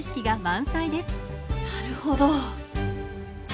なるほど。